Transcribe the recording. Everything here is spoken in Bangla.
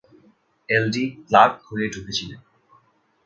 এল ডি ক্লার্ক হয়ে ঢুকেছিলেন।